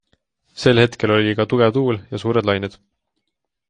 Sel hetkel oli ka tugev tuul ja suured lained.